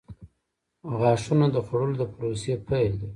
• غاښونه د خوړلو د پروسې پیل دی.